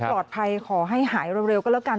ขอให้ปลอดภัยขอให้หายเร็วก็แล้วกัน